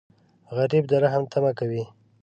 غریب د رحم تمه کوي